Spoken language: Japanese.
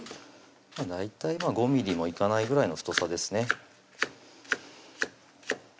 大体５ｍｍもいかないぐらいの太さですね